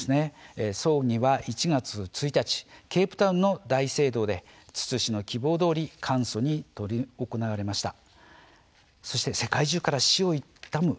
葬儀は１月１日ケープタウンの大聖堂でツツ氏の希望どおり簡素に執り行われました。